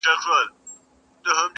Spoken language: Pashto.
له ګلفامه سره لاس کي ېې جام راوړ،